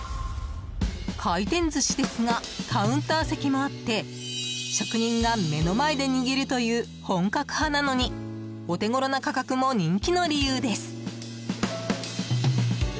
回転寿司ですがカウンター席もあって職人が目の前で握るという本格派なのにお手ごろな価格も人気の理由です。